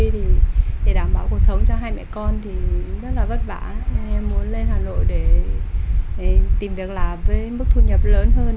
thì để đảm bảo cuộc sống cho hai mẹ con thì rất là vất vả nên em muốn lên hà nội để tìm việc làm với mức thu nhập lớn hơn